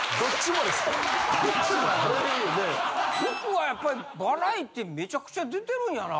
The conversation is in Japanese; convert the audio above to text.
福はやっぱりバラエティーめちゃくちゃ出てるんやな。